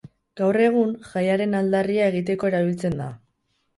Gaur egun, jaiaren aldarria egiteko erabiltzen da.